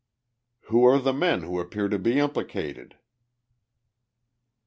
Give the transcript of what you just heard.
"Who are the men who appear to be implicated?"